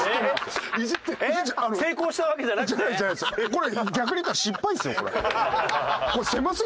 これ逆に言ったら失敗ですよこれ。